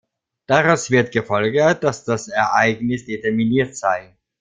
Daraus wird gefolgert, dass das Ereignis determiniert sei.